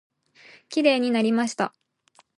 きれいになりました。